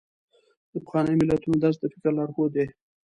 د پخوانیو متلونو درس د فکر لارښود دی.